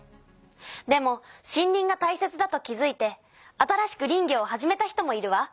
でも森林がたいせつだと気づいて新しく林業を始めた人もいるわ。